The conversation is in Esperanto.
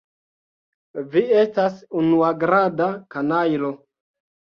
Vi estas unuagrada kanajlo.